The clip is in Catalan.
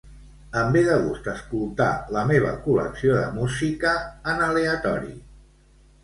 Em ve de gust escoltar la meva col·lecció de música en aleatori.